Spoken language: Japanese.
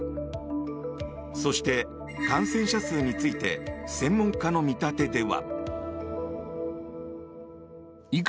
そして感染者数について専門家の見立てでは。